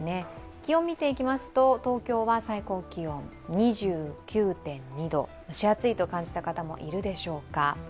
気温を見ていきますと、東京は最高気温２９．２度、蒸し暑いと感じた方もいるでしょうか。